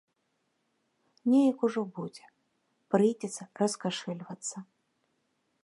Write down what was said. Неяк ужо будзе, прыйдзецца раскашэльвацца.